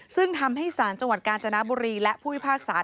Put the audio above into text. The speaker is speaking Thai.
ซึ่งทำให้สารจังหวัดกาญจนบุรีและผู้พิพากษา